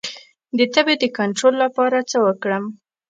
د تبې د کنټرول لپاره باید څه وکړم؟